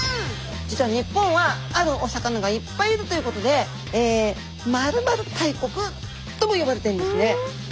実は日本はあるお魚がいっぱいいるということで〇〇大国とも呼ばれてるんですね。